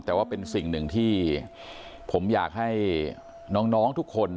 แต่ว่าเป็นสิ่งหนึ่งที่ผมอยากให้น้องทุกคน